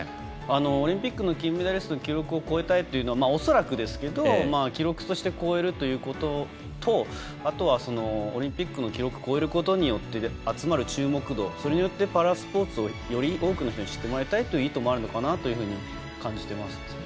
オリンピックの金メダリストの記録を超えたいというのは恐らく、記録として超えるということとオリンピックの記録を超えることによって集まる注目度それによって、パラスポーツをより多くの人に知ってもらいたいという意図もあるのかなというふうに感じています。